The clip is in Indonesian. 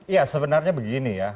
ya sebenarnya begini ya